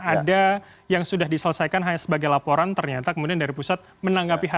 ada yang sudah diselesaikan hanya sebagai laporan ternyata kemudian dari pusat menanggapi hal